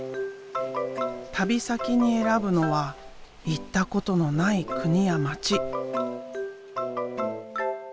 旅先に選ぶのは行ったことのない国や街。